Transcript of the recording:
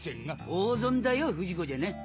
大損だよ不二子じゃな。